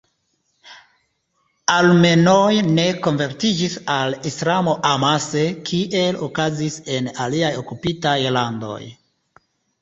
Armenoj ne konvertiĝis al Islamo amase kiel okazis en aliaj okupitaj landoj.